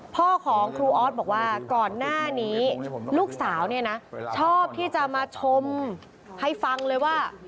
พ่อของครูออสบอกว่าก่อนหน้านี้ลูกสาวเนี่ยนะชอบที่จะมาชมให้ฟังเลยว่า